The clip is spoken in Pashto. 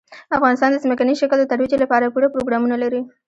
افغانستان د ځمکني شکل د ترویج لپاره پوره پروګرامونه لري.